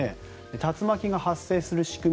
竜巻が発生する仕組み